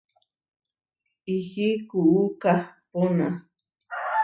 Ihí kuú kahpóna.